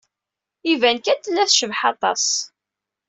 Iban kan tella tecbeḥ aṭas.